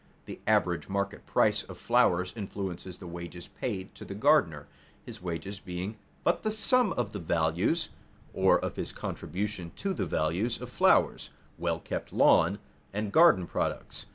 The average market price of flowers influences the wages paid to the gardener, his wages being but the sum of the values (or of his contribution to the values) of flowers, well kept lawn, and garden products.